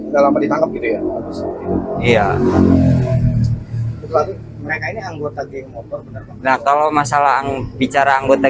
dalam ditangkap gitu ya iya mereka ini anggota geng motor bener bener kalau masalah bicara anggota